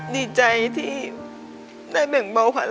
ดีใจที่ได้เป็นเบาผลาญ